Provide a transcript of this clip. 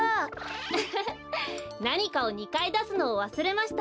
フフフなにかを２かいだすのをわすれましたね。